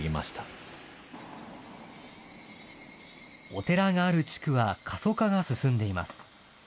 お寺がある地区は過疎化が進んでいます。